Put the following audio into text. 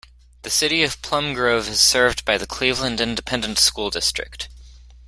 The City of Plum Grove is served by the Cleveland Independent School District.